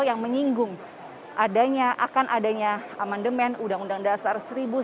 yang menyinggung akan adanya amendement uu dasar seribu sembilan ratus empat puluh lima